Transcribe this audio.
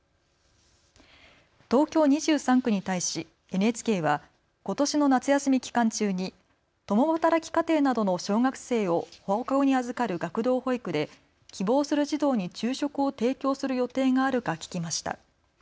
東京２３区に対し、ＮＨＫはことしの夏休み期間中に共働き家庭などの小学生を放課後に預かる学童保育で希望する児童に昼食を提供する予定があるか聞きました。